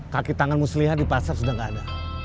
kaki tanganmu selihat di pasar sudah nggak ada